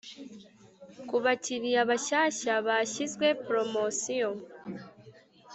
Ku bakiriya bashyashya bashyizwe polomosiyo.